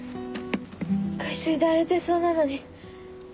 海水で荒れてそうなのに。